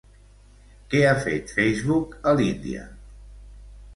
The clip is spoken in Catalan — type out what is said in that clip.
Què ha fet Facebook a l'Índia?